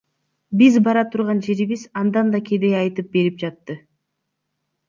Биз бара турган жерибиз андан да кедей деп айтып берип жатты.